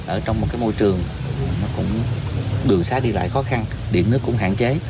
ở trong một môi trường đường xá đi lại khó khăn điểm nước cũng hạn chế